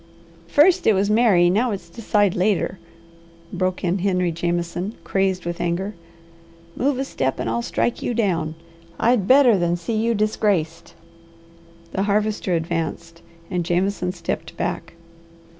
"First it was marry, now it's decide later," broke in Henry Jameson, crazed with anger. "Move a step and I'll strike you down. I'd better than see you disgraced " The Harvester advanced and Jameson stepped back.